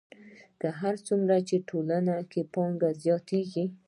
هر څومره چې د ټولنې پانګه زیاتېږي